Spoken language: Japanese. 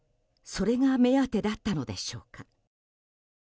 それが目当てだったのでしょうか？